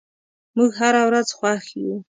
موږ هره ورځ خوښ یو.